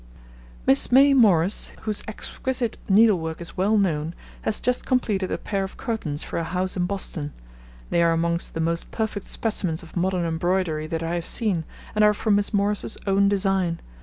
Miss May Morris, whose exquisite needle work is well known, has just completed a pair of curtains for a house in Boston. They are amongst the most perfect specimens of modern embroidery that I have seen, and are from Miss Morris's own design.